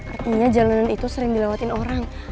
artinya jalanan itu sering dilewatin orang